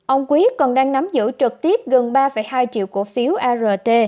ông quý còn đang nắm giữ trực tiếp gần ba hai triệu cổ phiếu art